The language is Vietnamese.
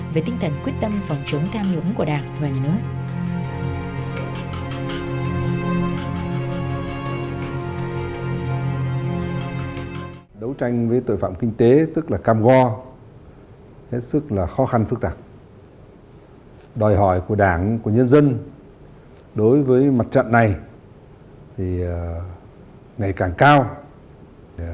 về tinh thần quyết tâm phòng chứng tham nhũng của đảng và nhà nước